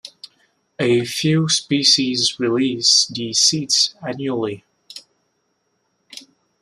A few species release the seeds annually.